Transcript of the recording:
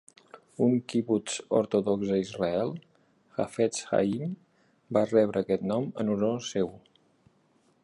Un kibbutz ortodox a Israel, Hafetz Haim, va rebre aquest nom en honor seu.